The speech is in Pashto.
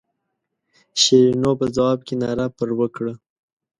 شیرینو په ځواب کې ناره پر وکړه.